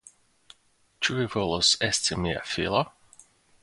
Ĉu vi volas esti mia filo?